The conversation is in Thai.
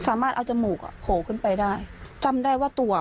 สามารถเอาจมูกอ่ะโผล่ขึ้นไปได้จำได้ว่าตัว